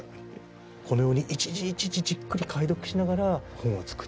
このように一字一字じっくり解読しながら本を作っていく。